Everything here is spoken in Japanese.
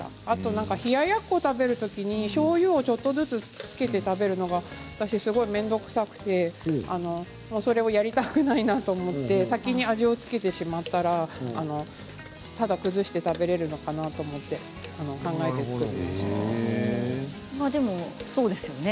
あと、冷ややっこを食べるときにしょうゆをちょっとずつつけて食べるのが私すごい面倒くさくてそれをやりたくないなと思って先に味を付けてしまったらただ崩して食べられるのかなと思って、考えて作りました。